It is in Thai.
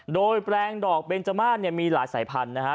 โดยแปลงดอกเบนเจ้ามาสมีหลายสายพันธุ์นะครับ